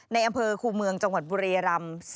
ในอำเภอคูเมืองจังหวัดบุรียรำ